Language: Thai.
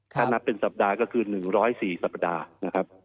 ถ้านับเป็นสัปดาห์ก็คือ๑๐๔สัปดาห์นะครับ